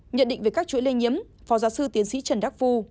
nhận định về các chuỗi lây nhiễm phó giáo sư tiến sĩ trần đắc phu